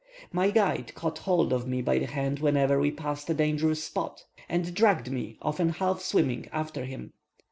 My guide caught hold of me by the hand whenever we passed a dangerous spot, and dragged me, often half swimming, after him.